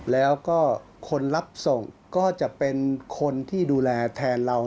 แล้วก็คนรับส่งก็จะเป็นคนที่ดูแลแทนเรา